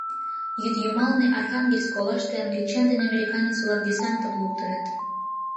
Йӱдйымалне, Архангельск олаште, англичан ден американец-влак десантым луктыныт.